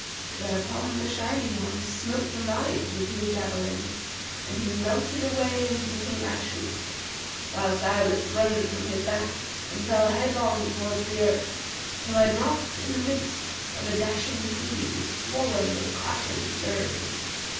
Whereupon the shining One smote the Marid with his javelin and he melted away and became ashes; whilst I was thrown from his back and fell headlong towards the earth, till I dropped into the midst of a dashing sea, swollen with clashing surge.